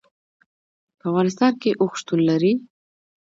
په افغانستان کې اوښ شتون لري.